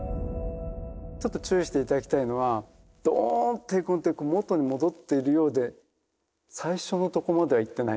ちょっと注意して頂きたいのはドーンとへこんで元に戻っているようで最初のとこまでは行ってないんです。